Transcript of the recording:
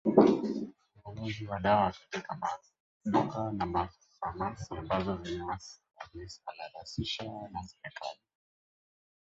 ununuzi wa dawa katika maduka na famasia ambazo zimehalalishwa na serikali